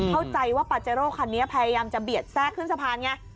เข้าใจว่าปาเจโร่คันนี้พยายามจะเบียดแทรกขึ้นสะพานไง